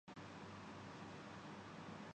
آج میں پیچھے مڑ کر دیکھتا ہوں۔